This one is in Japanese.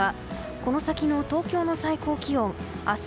この先の東京の最高気温明日